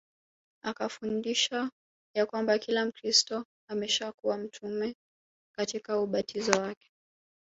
Akafundisha ya kwamba kila Mkristo ameshakuwa mtume katika ubatizo wake